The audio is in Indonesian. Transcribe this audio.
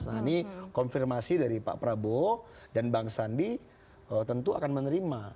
nah ini konfirmasi dari pak prabowo dan bang sandi tentu akan menerima